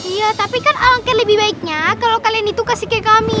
iya tapi kan angket lebih baiknya kalau kalian itu kasih ke kami